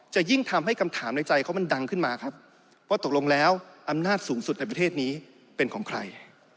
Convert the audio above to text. จะยิ่งทำให้คำถามในใจเขามันดังขึ้นมาครับว่าตกลงแล้วอำนาจสูงสุดในประเทศนี้เป็นของใคร